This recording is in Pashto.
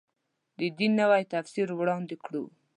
د دین نوی تفسیر وړاندې کړو.